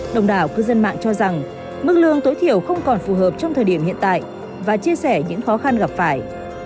đồng đảo cư dân mạng cho rằng mức lương tối thiểu không còn phù hợp trong thời điểm hiện tại và chia sẻ những khó khăn gặp phải